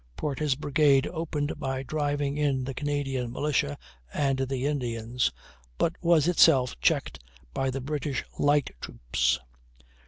Porter's brigade opened by driving in the Canadian militia and the Indians; but was itself checked by the British light troops.